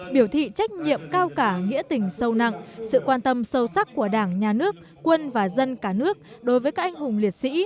biểu thị trách nhiệm cao cả nghĩa tình sâu nặng sự quan tâm sâu sắc của đảng nhà nước quân và dân cả nước đối với các anh hùng liệt sĩ